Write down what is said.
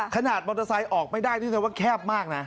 ขนาดมอเตอร์ไซค์ออกไม่ได้นี่แสดงว่าแคบมากนะ